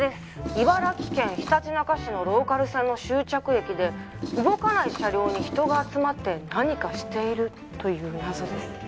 茨城県ひたちなか市のローカル線の終着駅で動かない車両に人が集まって何かしているという謎です